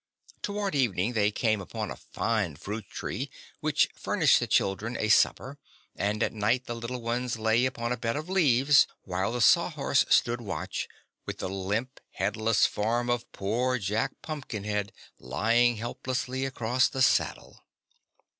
Toward evening they came upon a fine fruit tree, which furnished the children a supper, and at night the little ones lay upon a bed of leaves while the Sawhorse stood watch, with the limp, headless form of poor Jack Pumpkinhead lying helpless across the saddle.